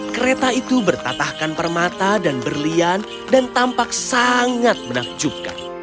kereta itu bertatahkan permata dan berlian dan tampak sangat menakjubkan